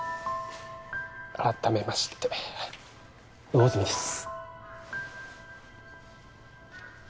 改めまして魚住です